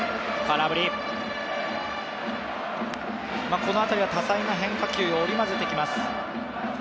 この辺りは多彩な変化球を織りまぜてきます。